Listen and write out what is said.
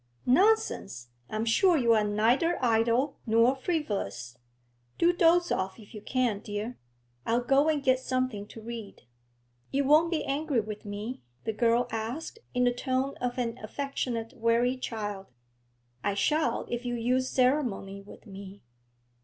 'Nonsense! I am sure you are neither idle nor frivolous. Do doze off, if you can, dear; I'll go and get something to read.' 'You won't be angry with me?' the girl asked, in the tone of an affectionate weary child. 'I shall if you use ceremony with me.'